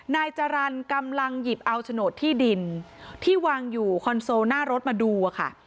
นายจรรย์กำลังหยิบเอาโฉนดที่ดินที่วางอยู่คอนโซลหน้ารถมาดูอะค่ะ